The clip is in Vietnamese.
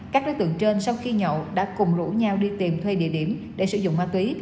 các đối tượng trên sau khi nhậu đã cùng rủ nhau đi tìm thuê địa điểm để sử dụng ma túy